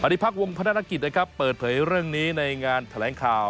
พักวงพนักกิจนะครับเปิดเผยเรื่องนี้ในงานแถลงข่าว